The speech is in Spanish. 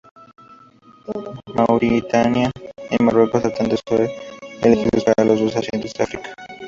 Mauritania y Marruecos tratan de ser elegidos para los dos asientos de África.